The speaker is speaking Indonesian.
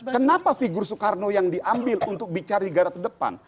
kenapa figur soekarno yang diambil untuk bicara di negara terdepan